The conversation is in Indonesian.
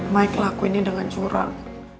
mike lakuinnya dengan curang